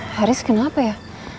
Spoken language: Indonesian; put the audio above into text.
haris kenapa ya